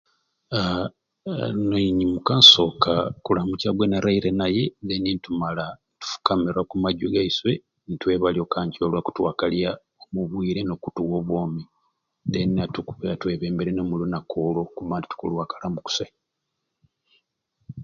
Aa a nenyimuka nsooka kulamuca gwe nalaire naye deni nitumala nitufukamira oku majwi gaiswe nitwebalya okanca olwakutwakalya omu bwire n'okutuwa obwomi deni natuku atwebembere n'omulunaku olwo okubba nti tukulwakalamu kusai.